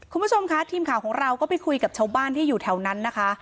คุณผู้ชมค่ะทีมข่าวของเราก็ไปคุยกับชาวบ้านที่อยู่แถวนั้นนะคะ